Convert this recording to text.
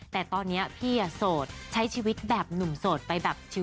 แต่ตอนนี้พี่โสดใช้ชีวิตแบบหนุ่มโสดไปแบบชิว